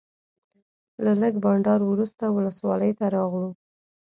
له لږ بانډار وروسته ولسوالۍ ته راغلو.